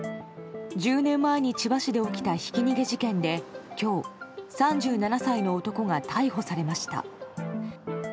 １０年前に千葉市で起きたひき逃げ事件で今日３７歳の男が逮捕されました。